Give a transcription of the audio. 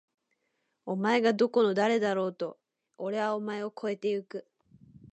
お前がどこの誰だろうと！！おれはお前を超えて行く！！